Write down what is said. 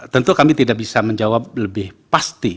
tentu kami tidak bisa menjawab lebih pasti